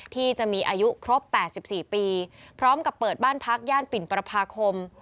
ที่จะมีอายุครบ๘๔ปีพร้อมกับเปิดบ้านพักย่านปิ่นประพาคม